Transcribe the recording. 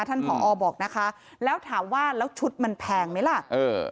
ผอบอกนะคะแล้วถามว่าแล้วชุดมันแพงไหมล่ะเออ